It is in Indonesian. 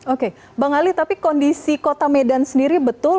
oke bang ali tapi kondisi kota medan sendiri betul